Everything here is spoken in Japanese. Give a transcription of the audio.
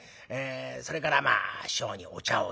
それからまあ師匠にお茶を出すという。